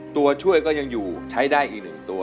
ตัวช่วยก็ยังอยู่ใช้ได้อีก๑ตัว